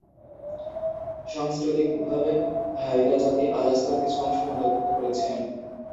সাংস্কৃতিকভাবে হাইদা জাতি আলাস্কার কিছু অংশও অন্তর্ভুক্ত করেছে।